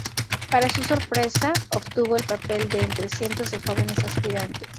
Para su sorpresa, obtuvo el papel de entre cientos de jóvenes aspirantes.